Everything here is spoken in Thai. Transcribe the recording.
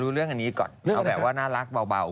รู้เรื่องอันนี้ก่อนน่ารักเบา